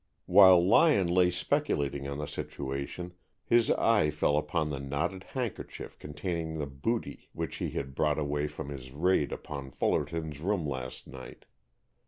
While Lyon lay speculating on the situation, his eye fell upon the knotted handkerchief containing the booty which he had brought away from his raid upon Fullerton's room last night.